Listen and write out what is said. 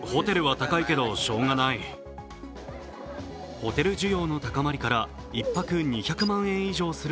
ホテル需要の高まりから１泊２００万円以上する